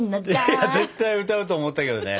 いや絶対歌うと思ったけどね。